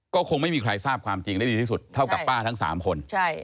ก็คงไม่มีใครทราบความจริงได้ดีที่สุดเท่ากับป้าทั้ง๓คน